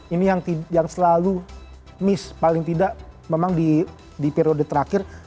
ini yang selalu miss paling tidak memang di periode terakhir